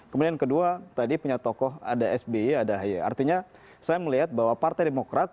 kemudian kedua tadi punya tokoh ada sby ada ahy artinya saya melihat bahwa partai demokrat